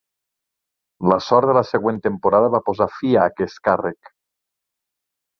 La sort de la següent temporada va posar fi a aquest càrrec.